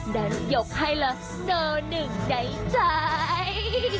ดันยกให้ละโซหนึ่งในใจ